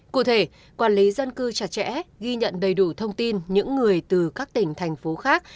cụ thể quản lý dân cư chặt chẽ ghi nhận đầy đủ thông tin những người từ các tỉnh thành phố khác